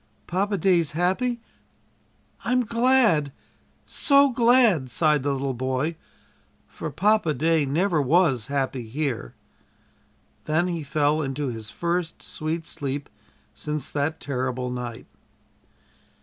"Papa day's happy. I'm glad so glad!" sighed the little boy "for Papa day never was happy here." Then he fell into his first sweet sleep since that terrible night.